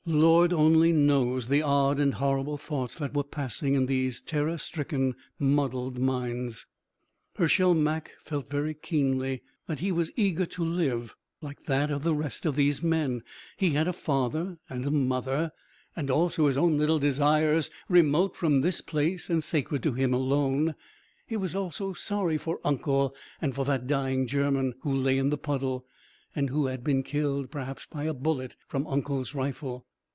Lord only knows the odd and horrible thoughts that were passing in these terror stricken, muddled minds. Hershel Mak felt very keenly that he was eager to live; that like the rest of these men, he had a father and mother and also his own little desires, remote from this place and sacred to him alone. He was also sorry for "uncle" and for that dying German, who lay in the puddle, and who had been killed, perhaps by a bullet from "uncle's" rifle.